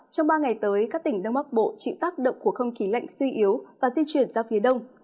trong ba ngày tới các tỉnh đông bắc bộ chịu tác động của không khí lạnh suy yếu và di chuyển ra phía đông